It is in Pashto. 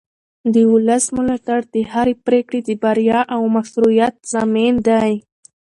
د ولس ملاتړ د هرې پرېکړې د بریا او مشروعیت ضامن دی